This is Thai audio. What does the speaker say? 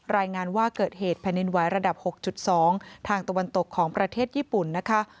รายงานว่าเกิดเหตุแผ่นดินไหวระดับ๖๒ทางตะวันตกของประเทศญี่ปุ่นนะคะ